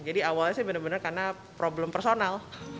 jadi awalnya sih bener bener karena problem personal